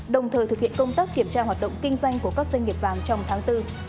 đồng thời thực hiện công tác kiểm tra hoạt động kinh doanh của các doanh nghiệp vàng trong tháng bốn